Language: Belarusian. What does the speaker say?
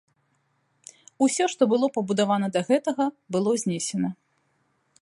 Усё, што было пабудавана да гэтага, было знесена.